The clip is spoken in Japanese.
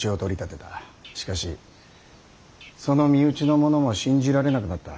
しかしその身内の者も信じられなくなった。